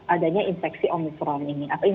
adanya infeksi omikron ini